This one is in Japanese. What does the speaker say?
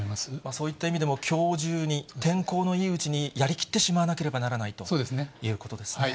そういった意味でも、きょう中に、天候のいいうちにやりきってしまわなければならないということでそうですね。